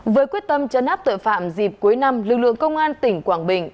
với quyết tâm chấn áp tội phạm dịp cuối năm lực lượng công an tỉnh quảng bình